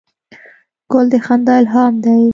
ګل د خندا الهام دی.